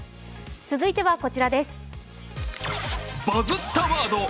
続いてはこちらです。